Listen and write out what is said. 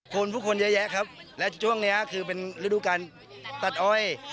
คนผู้คนเยอะแยะครับและช่วงนี้คือเป็นฤดูการตัดอ้อย